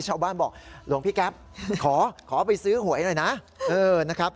ชาวบ้านบอกหลวงพี่แก๊ฟขอไปซื้อหวยหน่อยนะ